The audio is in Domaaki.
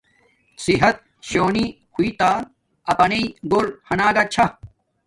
صحت شونی ہوݵݷ تا اپانݵ گھور ہاناگا چھا